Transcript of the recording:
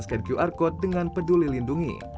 scan qr code dengan peduli lindungi